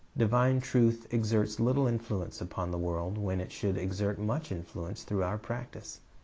Divine truth exerts little influence upon the world, when it should exert much influence through our practise.